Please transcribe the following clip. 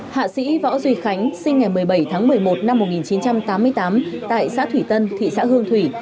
hạ sĩ võ duy khánh sinh ngày một mươi bảy tháng một mươi một năm một nghìn chín trăm tám mươi tám tại xã thủy tân thị xã hương thủy